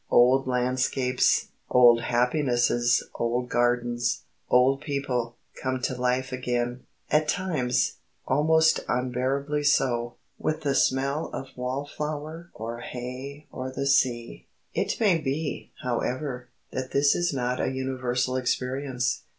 Old landscapes, old happinesses old gardens, old people, come to life again at times, almost unbearably so with the smell of wallflower or hay or the sea. It may be, however, that this is not a universal experience.